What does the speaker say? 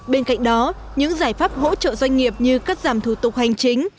bên cạnh đó những giải pháp hỗ trợ doanh nghiệp như cắt giảm thủ tục hành chính